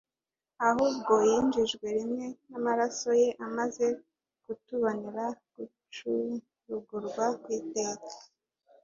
Ahubwo yinjijwe rimwe n'amaraso ye, amaze kutubonera gucurugurwa kw'iteka."